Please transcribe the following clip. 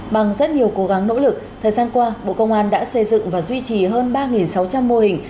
bằng rất nhiều cố gắng nỗ lực thời gian qua bộ công an đã xây dựng và duy trì hơn ba sáu trăm linh mô hình